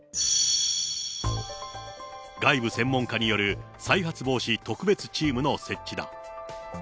外部専門家による再発防止特別チームの設置だ。